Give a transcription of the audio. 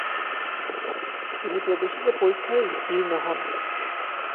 তিনি প্রবেশিকা পরীক্ষায় উত্তীর্ণ হন।